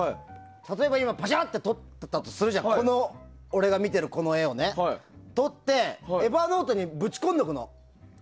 例えば今パシャっと撮ったとするじゃんこの俺が見てる、この画をね。撮って、Ｅｖｅｒｎｏｔｅにぶち込んどくの。